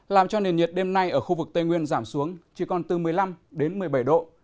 làm cho nền nhiệt đêm nay ở khu vực tây nguyên giảm xuống chỉ còn từ một mươi năm đến một mươi bảy độ